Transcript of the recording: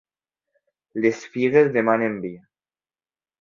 Les figues demanen vi.